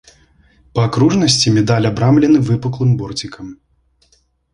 Па акружнасці медаль абрамлены выпуклым борцікам.